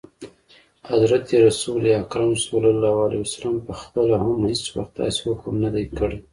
حضرت رسول اکرم ص پخپله هم هیڅ وخت داسي حکم نه دی کړی.